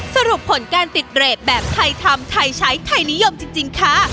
สรุปผลการติดเรทแบบใครทำใครใช้ใครนิยมจริงคะ